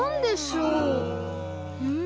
うん。